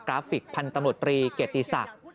ราฟิกพันธุ์ตำรวจตรีเกียรติศักดิ์